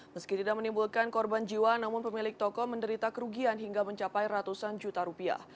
meski tidak menimbulkan korban jiwa namun pemilik toko menderita kerugian hingga mencapai ratusan juta rupiah